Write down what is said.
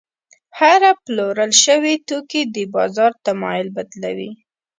هره پلورل شوې توکي د بازار تمایل بدلوي.